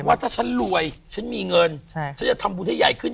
ว่าถ้าฉันรวยฉันมีเงินฉันจะทำบุญให้ใหญ่ขึ้น